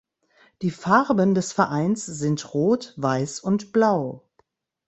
Die Farben des Vereins sind rot, weiß und blau.